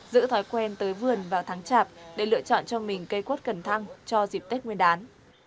giữ thói quen tới vườn vào tháng chạp để lựa chọn cho mình cây quất cần thăng cho dịp tết nguyên đán